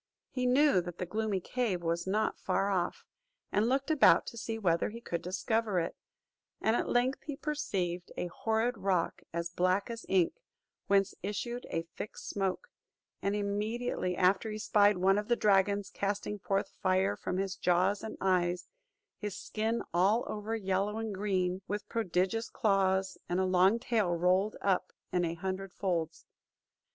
He knew that the gloomy cave was not far off, and looked about to see whether he could discover it; and at length he perceived a horrid rock as black as ink, whence issued a thick smoke; and immediately after he spied one of the dragons casting forth fire from his jaws and eyes; his skin all over yellow and green, with prodigious claws and a long tail rolled up in an hundred folds.